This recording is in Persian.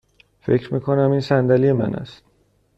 فکر می کنم این صندلی من است.